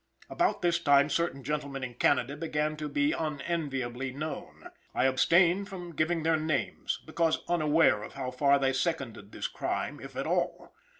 About this time certain gentlemen in Canada began to be unenviably known. I abstain from giving their names, because unaware of how far they seconded this crime, if at all.